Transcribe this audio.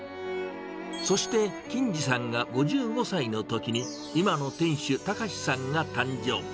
そして錦二さんが５５歳のときに、今の店主、崇さんが誕生。